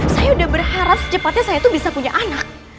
saya udah berharap secepatnya saya tuh bisa punya anak